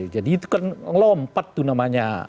jadi itu kan ngelompat tuh namanya